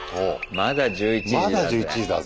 まだ１１時だぜ。